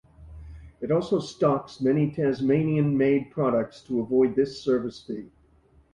It also stocks many Tasmanian made products to avoid this service fee.